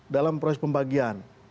dalam proses pembagian